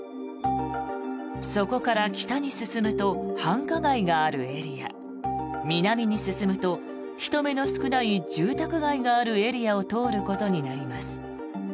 そこから北に進むと繁華街があるエリア南に進むと人目の少ない住宅街があるエリアを通ることになります。